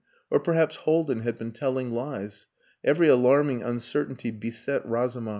Or perhaps Haldin had been telling lies.... Every alarming uncertainty beset Razumov.